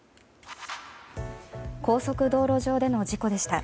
高速道路上での事故でした。